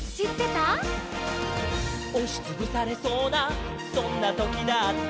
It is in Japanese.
「おしつぶされそうなそんなときだって」